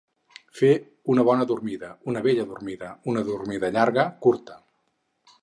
Fer una bona dormida, una bella dormida, una dormida llarga, curta.